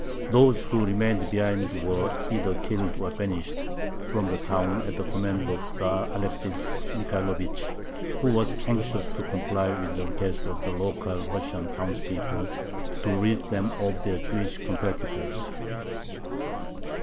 Those who remained behind were either killed or banished from the town at the command of Tzar Alexis Michaelovich, who was anxious to comply with the request of the local Russian townspeople, to rid them of their Jewish competitors.